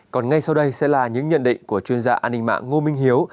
còn ngay sau đây sẽ là những nhận định của chuyên gia an ninh mạng ngô minh hiếu